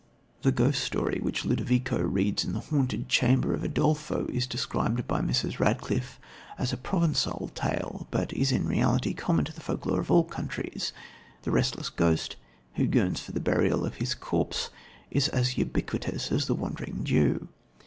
The ghost story, which Ludovico reads in the haunted chamber of Udolpho, is described by Mrs. Radcliffe as a Provençal tale, but is in reality common to the folklore of all countries. The restless ghost, who yearns for the burial of his corpse, is as ubiquitous as the Wandering Jew.